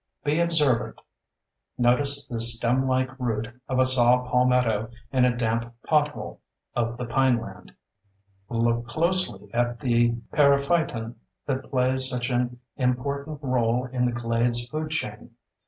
Be observant: notice the stemlike root of a saw palmetto in a damp pothole of the pineland; look closely at the periphyton that plays such an important role in the glades food chain.